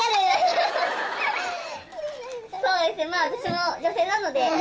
私も女性なので。